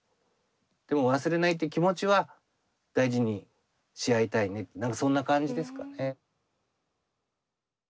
でも忘れないって気持ちは大事にし合いたいねって何かそんな感じですかね。